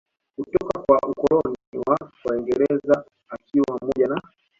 kutoka kwa Ukoloni wa waingereza akiwa pamoja na